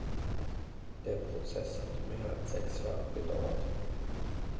Der Prozess hatte mehr als sechs Jahre gedauert.